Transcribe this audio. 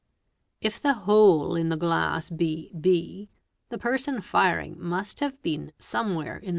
If the hole the glass be b, the person firing must have been somewhere 1 Big.